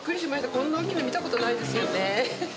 こんな大きいの見たことないですよねぇ。